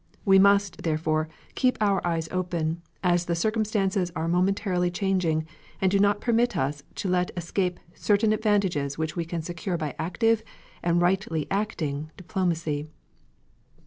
We must, therefore, keep our eyes open, as the circumstances are momentarily changing, and do not permit us to let escape certain advantages which we can secure by active, and rightly acting, diplomacy.